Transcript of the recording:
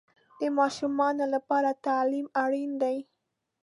د ماشومانو لپاره تعلیم اړین دی.